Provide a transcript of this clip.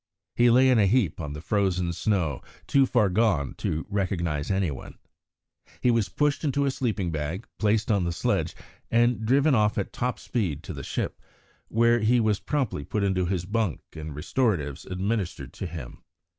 He lay in a heap on the frozen snow, too far gone to recognise any one. He was pushed into a sleeping bag, placed on the sledge, and driven off at top speed to the ship, where he was promptly put into his bunk and restoratives administered to him.